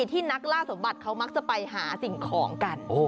ที่นักล่าสมบัติเขามักจะไปหาสิ่งของกัน